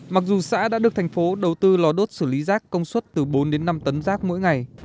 mặc dù xã đã được thành phố đầu tư lò đốt xử lý rác công suất từ bốn đến năm tấn rác mỗi ngày